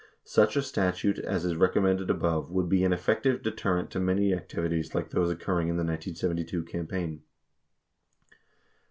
Such a statute as is recommended above would be an effective deterrent to many activities like those occurring in the 1972 campaign.